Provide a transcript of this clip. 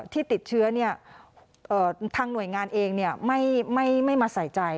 ที่ติดเชื้อทางหน่วยงานเองไม่มาใส่ใจ